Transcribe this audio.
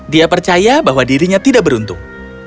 dia percaya bahwa dirinya tidak beruntung